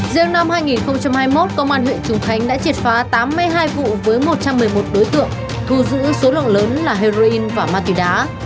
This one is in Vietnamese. riêng năm hai nghìn hai mươi một công an huyện trùng khánh đã triệt phá tám mươi hai vụ với một trăm một mươi một đối tượng thu giữ số lượng lớn là heroin và ma túy đá